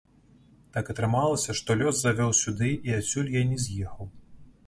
Так атрымалася, што лёс завёў сюды, і адсюль я не з'ехаў.